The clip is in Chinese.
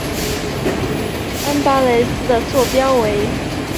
恩巴勒斯的座标为。